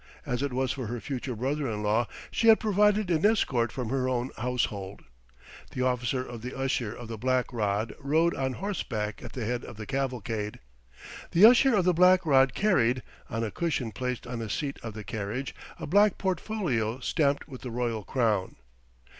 As it was for her future brother in law, she had provided an escort from her own household. The officer of the Usher of the Black Rod rode on horseback at the head of the cavalcade. The Usher of the Black Rod carried, on a cushion placed on a seat of the carriage, a black portfolio stamped with the royal crown.